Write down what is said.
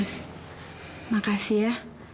bang terima kasih ya